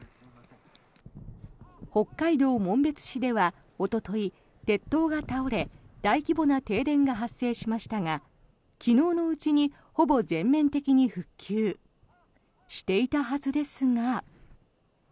北海道紋別市ではおととい、鉄塔が倒れ大規模な停電が発生しましたが昨日のうちに、ほぼ全面的に復旧していたはずですが。